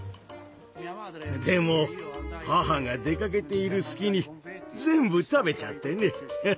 でも母が出かけている隙に全部食べちゃってね。